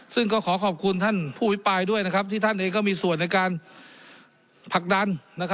ซึ่งก็ขอขอบคุณท่านผู้อภิปรายด้วยนะครับที่ท่านเองก็มีส่วนในการผลักดัน